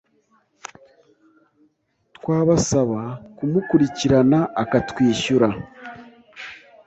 twabasaba kumukurikirana akatwishyura